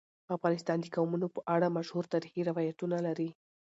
افغانستان د قومونه په اړه مشهور تاریخی روایتونه لري.